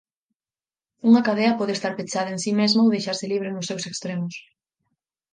Unha cadea pode estar pechada en si mesma ou deixarse libre nos seus extremos.